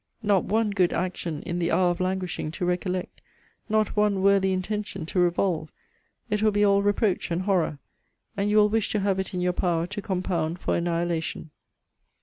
Not one good action in the hour of languishing to recollect, not one worthy intention to revolve, it will be all reproach and horror; and you will wish to have it in your power to compound for annihilation.